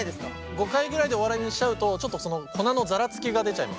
５回ぐらいで終わりにしちゃうとちょっと粉のザラつきが出ちゃいます。